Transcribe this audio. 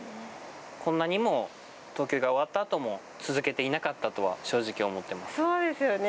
こんなにも東京が終わったあとも続けていなかったとはそうですよね。